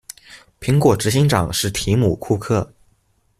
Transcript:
蘋果執行長是提姆庫克